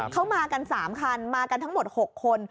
เขามากัน๓คันมากันทั้งหมด๖คน